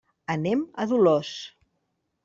Anem a Dolors.